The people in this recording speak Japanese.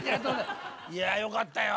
いやよかったよ。